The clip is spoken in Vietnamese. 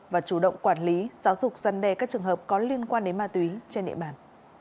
và chủ động quản lý giáo dục dân đề các trường hợp có liên quan đến ma túy trên địa bàn